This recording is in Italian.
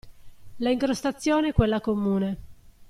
La incrostazione è quella comune.